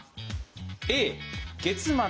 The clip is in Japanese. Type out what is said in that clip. Ａ月末。